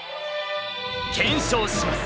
検証します。